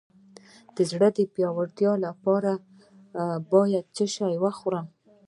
د زړه د پیاوړتیا لپاره باید څه شی وخورم؟